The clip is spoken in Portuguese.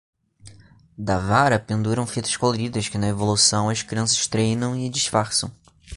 Da vara penduram fitas coloridas que na evolução as crianças treinam e disfarçam.